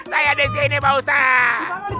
saya ada disini pak ustaz